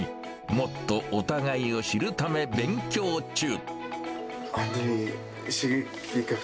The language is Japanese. もっとお互いを知るため、勉強中。